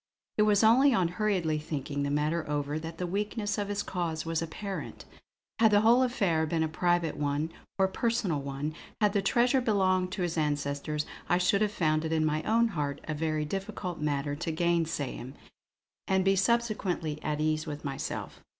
It was only on hurriedly thinking the matter over that the weakness of his cause was apparent. Had the whole affair been a private or personal one; had the treasure belonged to his ancestors, I should have found it in my own heart a very difficult matter to gainsay him, and be subsequently at ease with myself.